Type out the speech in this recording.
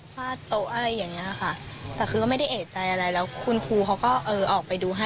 ฟาดโต๊ะอะไรอย่างเงี้ยค่ะแต่คือก็ไม่ได้เอกใจอะไรแล้วคุณครูเขาก็เออออกไปดูให้